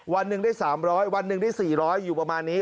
วันหนึ่งได้๓๐๐วันหนึ่งได้๔๐๐อยู่ประมาณนี้